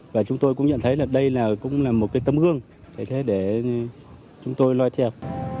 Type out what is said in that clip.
và chúng tôi cũng nhận thấy đây là một cái tấm gương để chúng tôi loay theo